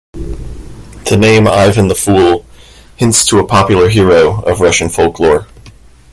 The name "Ivan the Fool" hints to a popular hero of Russian folklore.